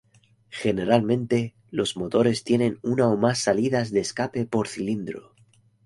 Generalmente, los motores tienen una o más salidas de escape por cilindro.